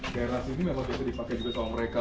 geras ini memang bisa dipakai juga sama mereka